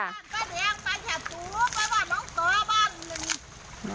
น้องน้องนี่